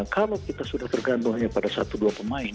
kalau kita sudah tergantung hanya pada satu dua pemain